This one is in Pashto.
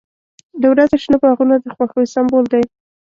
• د ورځې شنه باغونه د خوښۍ سمبول دی.